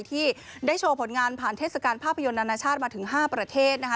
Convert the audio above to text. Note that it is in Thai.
ที่ได้โชว์ผลงานผ่านเทศกาลภาพยนตร์นานาชาติมาถึง๕ประเทศนะคะ